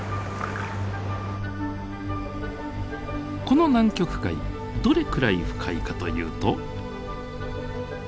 この南極海どれくらい深いかというと。